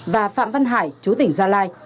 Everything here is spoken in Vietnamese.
và phạm văn hải chú tỉnh gia lai